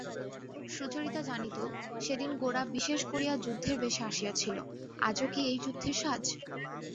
সুচরিতা জানিত, সেদিন গোরা বিশেষ করিয়া যুদ্ধের বেশে আসিয়াছিল–আজও কি এই যুদ্ধের সাজ!